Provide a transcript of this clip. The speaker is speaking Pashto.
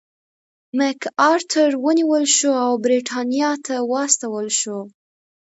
مک ارتر ونیول شو او برېټانیا ته واستول شو.